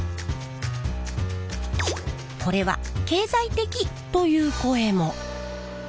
これは経済的という声も。